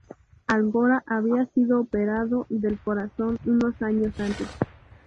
Algora había sido operado del corazón unos años antes.